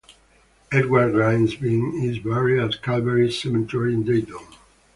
Edward Grimes Breen is buried at Calvary Cemetery in Dayton.